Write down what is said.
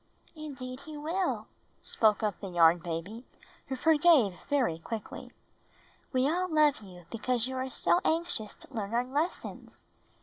"Indeed he will," spoke up the Yarn Baby, who forgave very quickly. "We all love you because you are so anxious to learn our lessons.